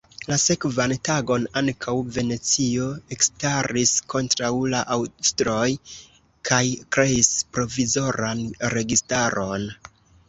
La sekvan tagon ankaŭ Venecio ekstaris kontraŭ la aŭstroj kaj kreis provizoran registaron.